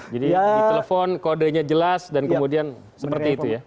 jadi ditelepon kodenya jelas dan kemudian seperti itu ya